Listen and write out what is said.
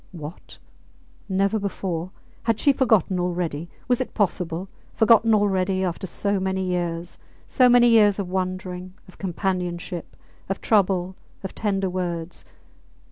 ... What! Never before? Had she forgotten already? Was it possible? Forgotten already after so many years so many years of wandering, of companionship, of trouble, of tender words!